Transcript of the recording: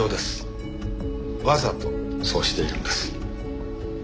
わざとそうしているんです。